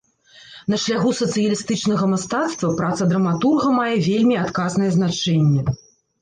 На шляху сацыялістычнага мастацтва праца драматурга мае вельмі адказнае значэнне.